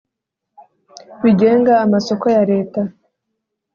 Bigenga amasoko ya leta